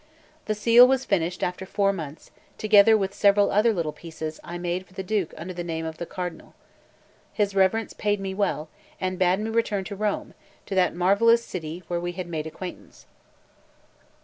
The seal was finished after four months, together with several other little pieces I made for the Duke under the name of the Cardinal. His Reverence paid me well, and bade me return to Rome, to that marvellous city where we had made acquaintance.